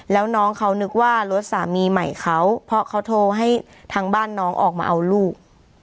แล้วน้องเขานึกว่ารถสามีใหม่เขาเพราะเขาโทรให้ทางบ้านน้องออกมาเอาลูก